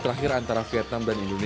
dalam perang l underway apa itu